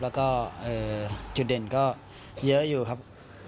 แล้วก็จุดเด่นก็เยอะอยู่ครับ